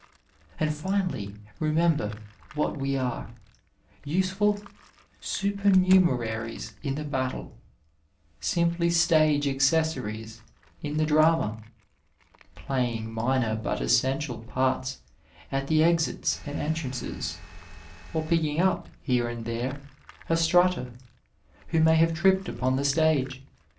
And, finally, remember what we are — ^useful super numeraries in the battle, simply stage accessories in the drama, playing minor, but essential, parts at the erits and entrances, or picking up, here and there, a strutter, who may have tripped upon the stage.